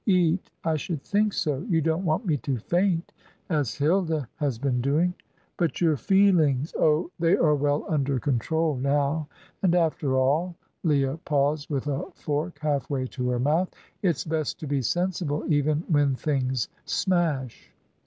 Eat I should think so. You don't want me to faint, as Hilda has been doing." "But your feelings" "Oh, they are well under control, now. And after all" Leah paused with a fork half way to her mouth "it's best to be sensible even when things smash.